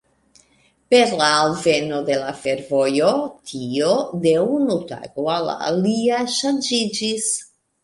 Per la alveno de la fervojo tio de unu tago al la alia ŝanĝiĝis.